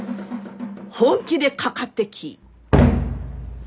本気でかかってき。